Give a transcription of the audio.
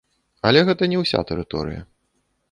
Але гэта не ўся тэрыторыя.